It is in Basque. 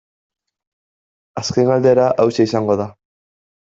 Azken galdera hauxe izango da.